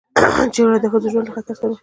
جګړه د ښځو ژوند له خطر سره مخ کوي